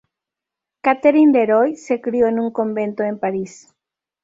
Catherine Leroy se crio en un convento en París.